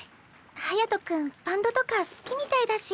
隼君バンドとか好きみたいだし。